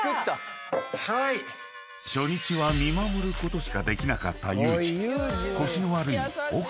［初日は見守ることしかできなかったユージ］